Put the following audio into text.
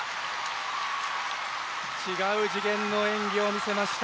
違う次元の演技を見せました。